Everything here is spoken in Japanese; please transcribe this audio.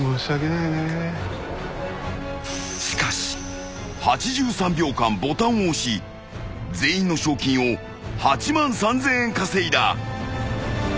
［しかし８３秒間ボタンを押し全員の賞金を８万３，０００円稼いだ］